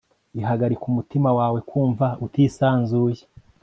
ihagarika umutima wawe kumva utisanzuye